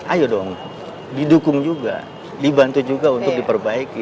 ayo dong didukung juga dibantu juga untuk diperbaiki